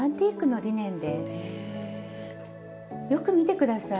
よく見て下さい。